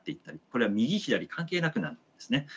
これは右左関係なくなんですね。